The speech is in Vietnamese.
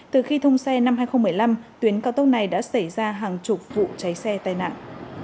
từ khi thông xe năm hai nghìn một mươi năm tuyến cao tốc này đã xảy ra hàng chục vụ cháy xe tai nạn